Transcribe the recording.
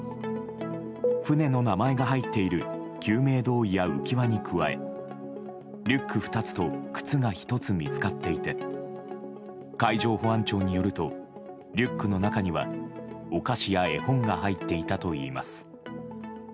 船の名前が入っている救命胴衣や浮き輪に加えリュック２つと靴が１つ見つかっていて海上保安庁によるとリュックの中にはお菓子や絵本が入っていたといいます。